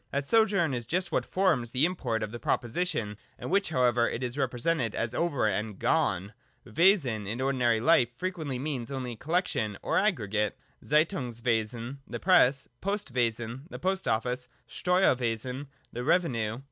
That sojourn is just what forms the import of the proposition, in which however it is represented as over and gone. —' IVesen ' in ordinary life frequently means only a collection or aggregate : Zeitungswesen (the Press), Post wesen (the Post Office), Steuerwesen (the Revenue).